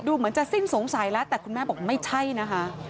เหมือนจะสิ้นสงสัยแล้วแต่คุณแม่บอกไม่ใช่นะคะ